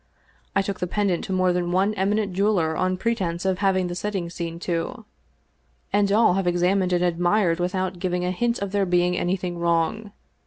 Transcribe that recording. I took the pendant to more than one eminent jeweler on pre tense of having the setting seen to, and all have examined and admired without giving a hint of there being anything wrong.